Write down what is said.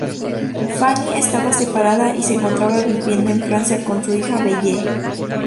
Fanny estaba separada y se encontraba viviendo en Francia con su hija Belle.